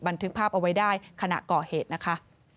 บันทึกภาพเอาไว้ได้ขณะก่อเหตุนะคะ